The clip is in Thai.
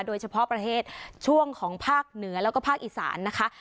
โดยเฉพาะประเทศช่วงของภาคเหนือแล้วก็ภาคอีสานนะคะ